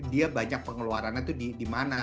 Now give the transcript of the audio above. dia banyak pengeluarannya itu di mana